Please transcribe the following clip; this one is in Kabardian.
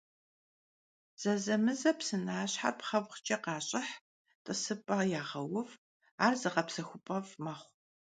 Zezemıze psınaşher pxhembğuç'e khaş'ıh, t'ısıp'i yağeuv, ar zığepsexup'ef' mexhu.